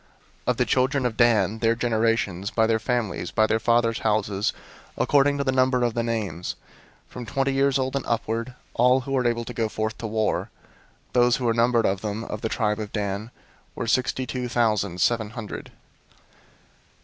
001:038 Of the children of Dan, their generations, by their families, by their fathers' houses, according to the number of the names, from twenty years old and upward, all who were able to go forth to war; 001:039 those who were numbered of them, of the tribe of Dan, were sixty two thousand seven hundred.